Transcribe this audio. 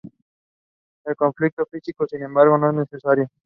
El contacto físico, sin embargo, es necesario.